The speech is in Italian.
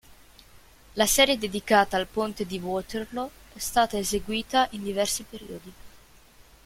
La serie dedicata al ponte di Waterloo è stata eseguita in diversi periodi.